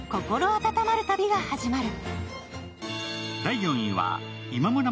温まる旅が始まる。